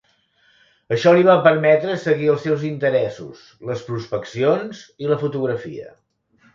Això li va permetre seguir els seus interessos: les prospeccions i la fotografia.